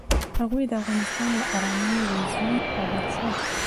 هغوی د افغانستان له ارامې وضعې خبر شول.